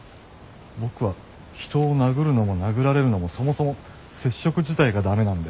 僕は人を殴るのも殴られるのもそもそも接触自体が駄目なんで。